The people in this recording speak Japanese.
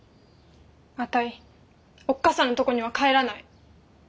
あたいおっ母さんのとこには帰らない。